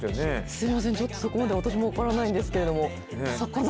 すみません、ちょっとそこまで私も分からないんですけれども。